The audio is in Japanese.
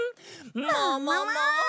ももも！